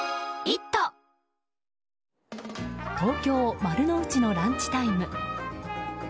東京・丸の内のランチタイム。